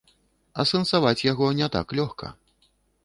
Асэнсаваць яго не так лёгка.